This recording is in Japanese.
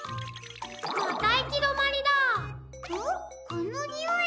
このにおい。